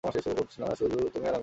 না শুধু তুমি আর আমি।